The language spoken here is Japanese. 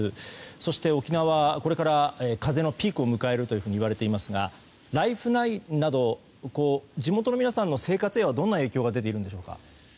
そして、沖縄はこれから風のピークを迎えるといわれていますがライフラインなど地元の皆さんの生活へはどんな影響が出ているんでしょうか。